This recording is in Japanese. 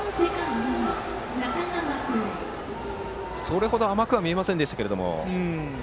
それほど甘くは見えませんでしたが。